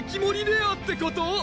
レアってこと？